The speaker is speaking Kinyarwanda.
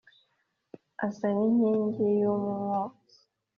asa n’inkingi y’umwotsi,